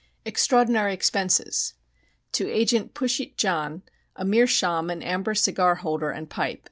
EXTRAORDINARY EXPENSES To Agent Pushyt John, a meerschaum and amber cigar holder and pipe